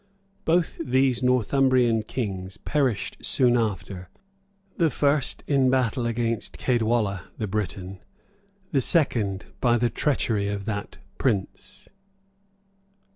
Both these Northumbrian kings perished soon after, the first in battle against Caedwalla, the Briton; the second by the treachery of that prince.